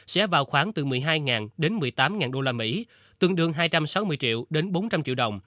sẽ vào khoảng từ một mươi hai đến một mươi tám usd tương đương hai trăm sáu mươi triệu đến bốn trăm linh triệu đồng